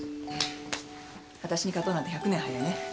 わたしに勝とうなんて１００年早いね。